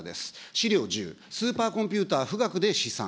資料１０、スーパーコンピューター、富岳で試算。